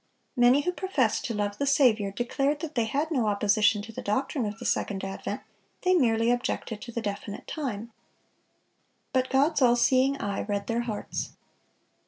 (609) Many who professed to love the Saviour, declared that they had no opposition to the doctrine of the second advent; they merely objected to the definite time. But God's all seeing eye read their hearts.